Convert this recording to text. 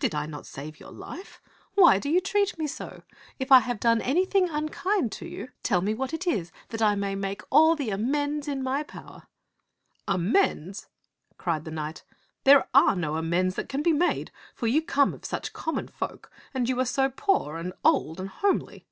Did I not save your life ? Why do you treat me so ? If I have done anything unkind to you. 122 ti}t IXfitt of (g<xti}'0 t(Kk tell me what it is, that I may make all the amends in my power." "Amends!" cried the knight. "There are no amends that can be made, for you come of such com mon folk, and you are so poor and old and homely."